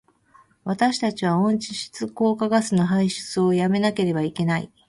私たちは温室効果ガスの排出を止めなければならない。